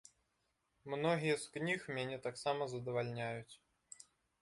Многія з кніг мяне таксама задавальняюць.